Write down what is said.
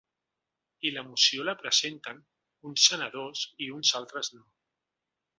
I la moció la presenten uns senadors i uns altres no.